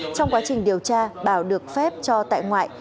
trong quá trình điều tra bảo được phép cho tại ngoại